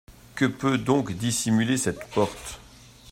Que peut donc dissimuler cette porte?